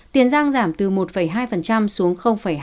tiền giang giảm từ một hai xuống hai